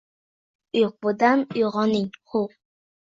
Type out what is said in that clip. Uyqudan uygʻoning, huv